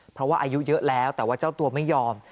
เพราะว่าอายุเยอะแล้วแต่ว่าเจ้าตัวไม่ยอม